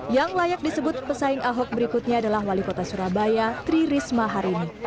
yang layak disebut pesaing ahok berikutnya adalah wali kota surabaya tri risma hari ini